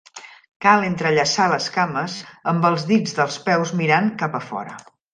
Cal entrellaçar les cames, amb els dits dels peus mirant cap a fora.